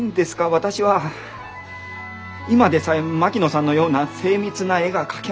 私は今でさえ槙野さんのような精密な絵が描けません。